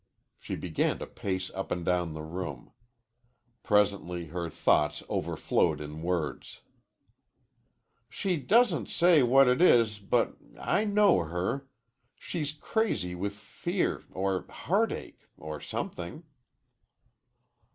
She began to pace up and down the room. Presently her thoughts overflowed in words. "She doesn't say what it is, but I know her. She's crazy with fear or heartache or something."